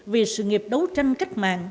vì sự nghiệp đấu tranh